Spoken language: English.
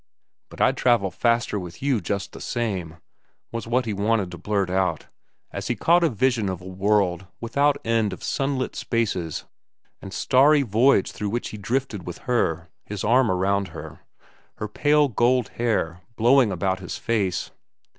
But I'd travel faster with you just the same, was what he wanted to blurt out, as he caught a vision of a world without end of sunlit spaces and starry voids through which he drifted with her, his arm around her, her pale gold hair blowing about his face.